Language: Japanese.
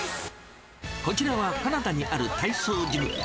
こちらはカナダにある体操ジム。